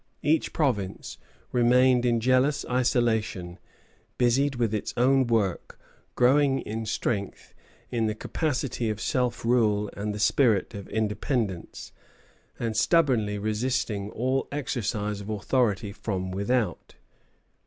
Each province remained in jealous isolation, busied with its own work, growing in strength, in the capacity of self rule and the spirit of independence, and stubbornly resisting all exercise of authority from without.